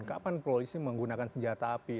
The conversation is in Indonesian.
kapan polisi menggunakan senjata api